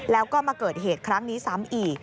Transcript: แล้วก็มาเกิดเหตุครั้งนี้ซ้ำอีก